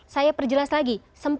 saya perjelas lagi